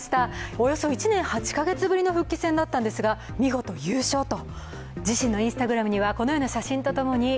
およそ１年８か月ぶりの復帰戦だったんですが、見事優勝と。